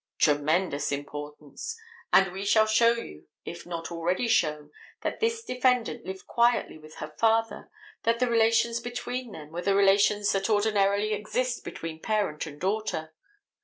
Tremendous importance; and we shall show you, if not already shown that this defendant lived quietly with her father; that the relations between them were the relations that ordinarily exist between parent and daughter.